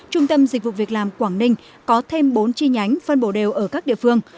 trung tâm dịch vụ việc làm quảng ninh có thêm bốn chi nhánh phân bổ đều ở các địa phương